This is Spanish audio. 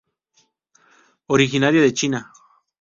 Originaria de China.